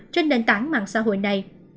trên nền tảng mạng xã hội này